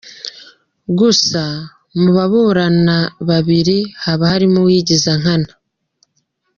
Gusa mubaburana babiri, haba harimo uwigiza nkana.